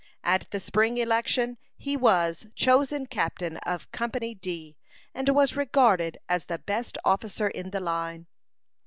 At the spring election he was chosen captain of Company D, and was regarded as the best officer in the line.